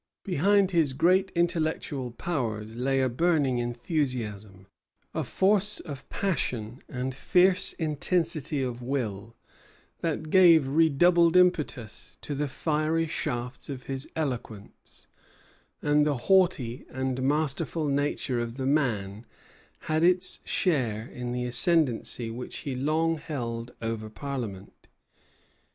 Behind his great intellectual powers lay a burning enthusiasm, a force of passion and fierce intensity of will, that gave redoubled impetus to the fiery shafts of his eloquence; and the haughty and masterful nature of the man had its share in the ascendency which he long held over Parliament.